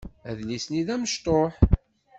Adlis-nni d amecṭuḥ.